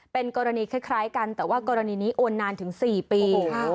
เป็นกรณีคล้ายคล้ายกันแต่ว่ากรณีนี้โอนนานถึงสี่ปีค่ะ